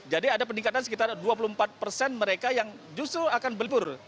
jadi ada peningkatan sekitar dua puluh empat persen mereka yang justru akan berlipur